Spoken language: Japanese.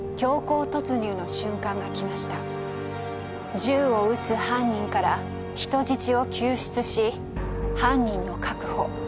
銃を撃つ犯人から人質を救出し犯人の確保。